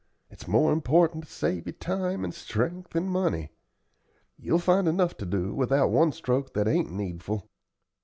It's more important to save your time and strength and money. You'll find enough to do without one stroke that ain't needful."